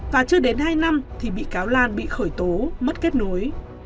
và chưa đến hai năm thì bị cáo lan bị khởi tố mất kết nối